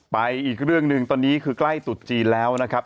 อีกเรื่องหนึ่งตอนนี้คือใกล้ตุดจีนแล้วนะครับ